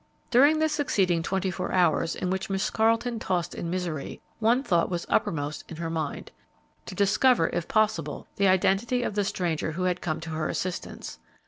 During the succeeding twenty four hours in which Miss Carleton tossed in misery, one thought was uppermost in her mind, to discover, if possible, the identity of the stranger who had come to her assistance.